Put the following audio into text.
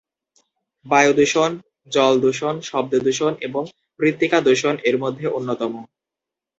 বায়ু দূষণ, জল দূষণ, শব্দ দূষণ এবং মৃত্তিকা দূষণ এর মধ্যে অন্যতম।